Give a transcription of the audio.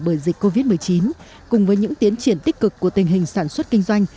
bởi dịch covid một mươi chín cùng với những tiến triển tích cực của tình hình sản xuất kinh doanh